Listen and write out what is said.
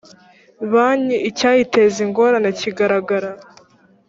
banki icyayiteza ingorane kigaragara